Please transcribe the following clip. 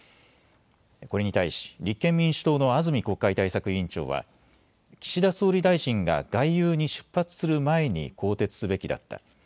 これに対し立憲民主党の安住国会対策委員長は岸田総理大臣が外遊に出発する前に更迭すべきだった。